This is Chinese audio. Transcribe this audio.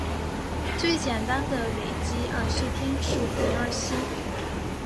最简单的累积二烯烃是丙二烯。